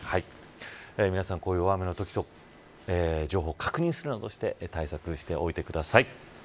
皆さん、こういう大雨のときは情報を確認するなどして対策しておいてください。